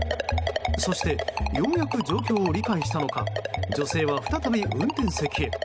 そして、ようやく状況を理解したのか女性は再び運転席へ。